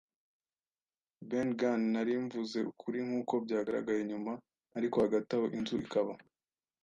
Ben Gunn. ” Nari mvuze ukuri, nkuko byagaragaye nyuma; ariko hagati aho, inzu ikaba